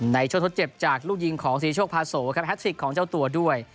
ในช่วงทดเจ็บจากลูกยิงของศรีโชคพาโสครับแฮสสิกของเจ้าตัวด้วย